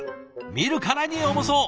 見るからに重そう！